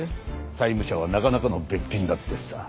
債務者はなかなかのべっぴんだってさ。